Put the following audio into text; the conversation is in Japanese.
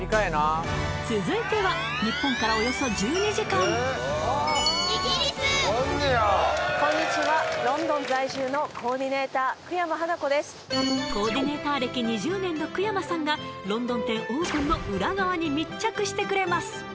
続いては日本からおよそ１２時間コーディネーター歴２０年の久山さんがロンドン店オープンの裏側に密着してくれます